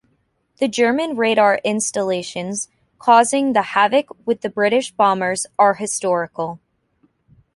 The German radar installations causing the havoc with the British bombers are historical.